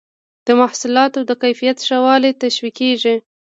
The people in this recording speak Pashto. د محصولاتو د کیفیت ښه والی تشویقیږي.